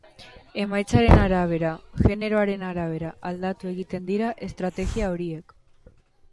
Emaitzen arabera, generoaren arabera aldatu egiten dira estrategia horiek.